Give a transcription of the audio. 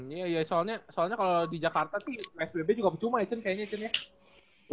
iya iya soalnya kalo di jakarta sih psbb juga bercuma ya sen kayaknya ya sen ya